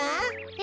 え？